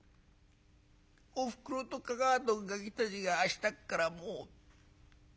おふくろとかかあとがきたちが明日っからもう。